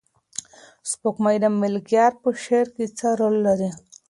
سپوږمۍ د ملکیار په شعر کې څه رول لري؟